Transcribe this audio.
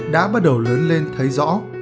đã bắt đầu lớn lên thấy rõ